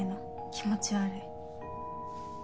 気持ち悪い。